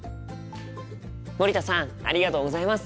森田さんありがとうございます！